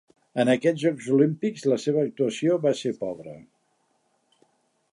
En aquests Jocs Olímpics, la seva actuació va ser pobra.